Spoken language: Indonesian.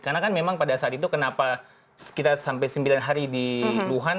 karena kan memang pada saat itu kenapa kita sampai sembilan hari di wuhan